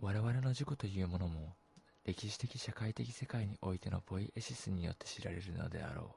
我々の自己というものも、歴史的社会的世界においてのポイエシスによって知られるのであろう。